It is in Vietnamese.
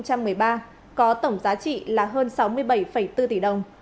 có tổng giá trị là hơn sáu mươi bảy bốn tỷ đồng